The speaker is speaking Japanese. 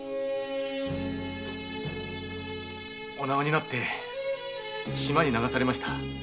お縄になって島へ流されました。